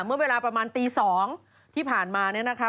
เมื่อเวลาประมาณตี๒ที่ผ่านมาเนี่ยนะคะ